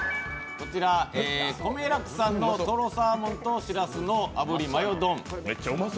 こめらくさんのとろサーモンとしらすの炙りマヨ丼。